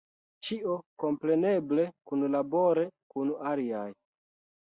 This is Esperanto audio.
Ĉio kompreneble kunlabore kun aliaj.